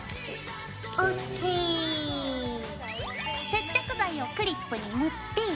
接着剤をクリップに塗って。